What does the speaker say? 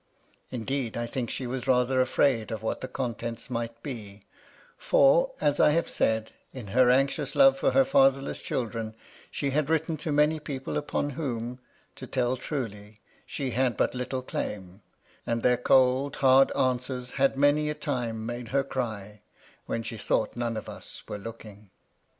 Indeed, I think she was rather afraid of what the contents might be; for, as I have said, in her anxious love for her fatherless children, she had written to many people upon whom, to tell truly, she had but little claim ; and their cold, hard answers had many a time made her cry, when she thought none of us were 16 MY LADY LUDLOW. looking.